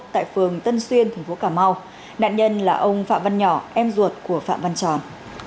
tại phường tân xuyên tp cà mau nạn nhân là ông phạm văn nhỏ em ruột của phạm văn tròn